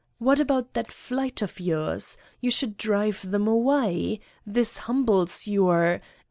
What about that flight of yours ? You should drive them away. This humbles your